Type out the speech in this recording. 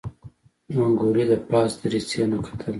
منګلي د پاس دريڅې نه کتل.